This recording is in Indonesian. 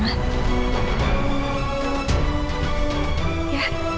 jadi kali ini gak akan terbongkar ma